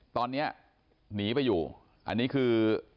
ตอนนี้หนีไปอยู่อันนี้คือ